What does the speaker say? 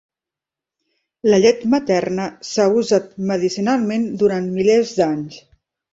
La llet materna s'ha usat medicinalment durant milers d'anys.